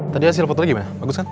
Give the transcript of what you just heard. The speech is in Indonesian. tadi hasil fotonya gimana bagus kan